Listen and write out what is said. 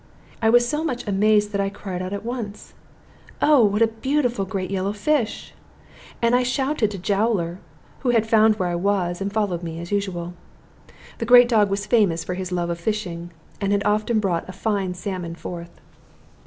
I was so much amazed that I cried out at once, "Oh! what a beautiful great yellow fish!" And I shouted to Jowler, who had found where I was, and followed me, as usual. The great dog was famous for his love of fishing, and had often brought a fine salmon forth.